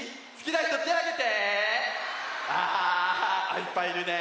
いっぱいいるね。